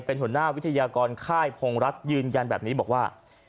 เป็นหัวหน้าวิทยากรค่ายพงรัฐยืนยันแบบนี้บอกว่า